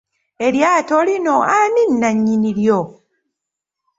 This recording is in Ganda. Eryato lino ani nannyini ryo.